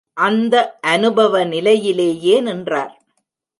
அந்த அநுபவ நிலையிலேயே நின்றார்.